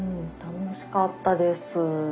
うん楽しかったです。